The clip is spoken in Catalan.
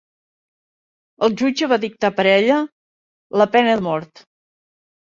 El Jutge va dictar per a ella la Pena de mort.